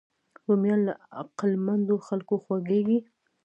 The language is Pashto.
رومیان له عقلمندو خلکو خوښېږي